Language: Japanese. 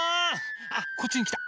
あっこっちにきた。